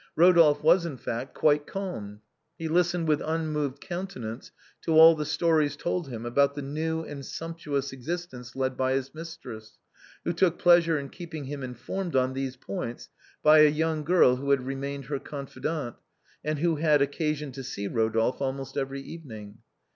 Eodolphe was, in fact, quite calm; he lis tened with unmoved countenance to all the stories told him about the new and sumptuous existence led by his mistress — who took pleasure in keeping him informed on these points by a young girl who had remained her confidant, and who had occasion to see Eodolphe almost every evening.